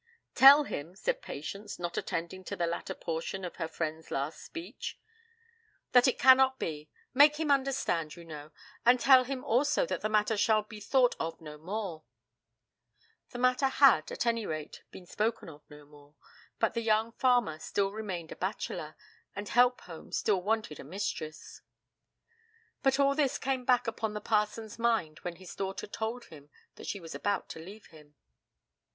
'Tell him,' said Patience, not attending to the latter portion of her friend's last speech, 'that it cannot be, make him understand, you know and tell him also that the matter shall be thought of no more.' The matter had, at any rate, been spoken of no more, but the young farmer still remained a bachelor, and Helpholme still wanted a mistress. But all this came back upon the parson's mind when his daughter told him that she was about to leave him.